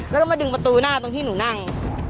แล้วก็มาดึงประตูหน้าตรงที่หนูนั่ง